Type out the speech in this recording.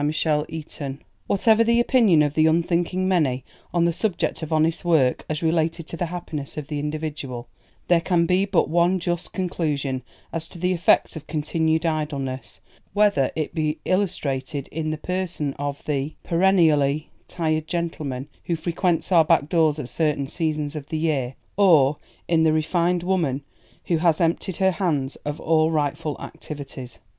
CHAPTER VIII Whatever the opinion of the unthinking many on the subject of honest work as related to the happiness of the individual, there can be but one just conclusion as to the effect of continued idleness, whether it be illustrated in the person of the perennially tired gentleman who frequents our back doors at certain seasons of the year, or in the refined woman who has emptied her hands of all rightful activities.